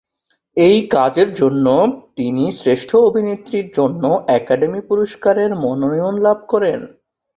এই কাজের জন্য তিনি শ্রেষ্ঠ অভিনেত্রীর জন্য একাডেমি পুরস্কারের মনোনয়ন লাভ করেন।